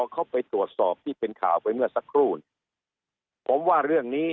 เขาไปตรวจสอบที่เป็นข่าวไปเมื่อสักครู่เนี่ยผมว่าเรื่องนี้